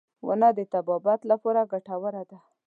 • ونه د طبابت لپاره ګټوره ده.